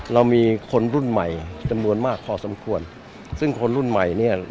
เรามีคนรุ่นใหม่จำนวนมากพอสมควรซึ่งคนรุ่นใหม่เนี่ย